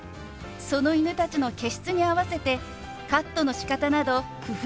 その犬たちの毛質に合わせてカットのしかたなど工夫しています。